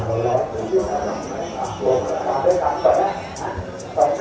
เมื่อ